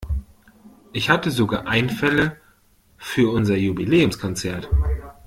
Ich hatte sogar Einfälle für unser Jubiläumskonzert.